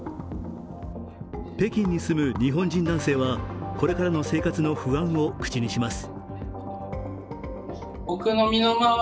北京に住む日本人男性はこれからの生活の不安を口にします。